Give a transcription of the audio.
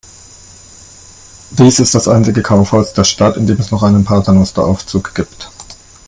Dies ist das einzige Kaufhaus der Stadt, in dem es noch einen Paternosteraufzug gibt.